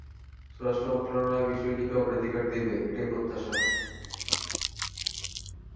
স্বরাষ্ট্র মন্ত্রণালয় বিষয়টিকে অগ্রাধিকার দেবে, এটাই প্রত্যাশা।